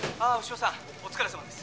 お疲れさまです」